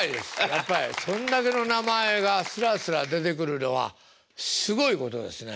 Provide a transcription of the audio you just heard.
やっぱりそれだけの名前がすらすら出てくるのはすごいことですね。